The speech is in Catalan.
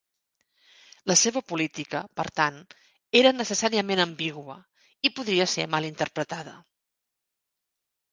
La seva política, per tant, era necessàriament ambigua, i podria ser mal interpretada.